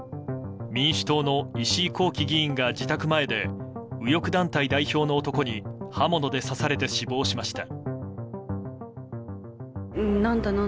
民主党の石井紘基議員が自宅前で、右翼団体代表の男に刃物で刺されて死亡しました。